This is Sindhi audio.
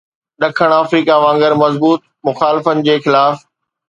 ڏکڻ آفريڪا وانگر مضبوط مخالفن جي خلاف